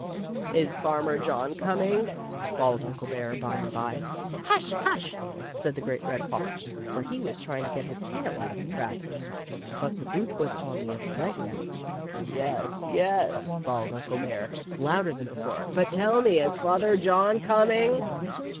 " Is Farmer John coming?" bawled Uncle Bear, by and by. Hush ! hush !" said the Great Red Fox, for he was trying to get his tail out of the trap. But the boot was on the other leg now. " Yes, yes," bawled Uncle Bear, louder than before, "but tell me, is Farmer John coming?"